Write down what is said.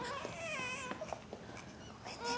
ごめんね。